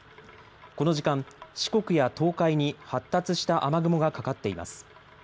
この時間、四国や東海に発達した雨雲がかかっています。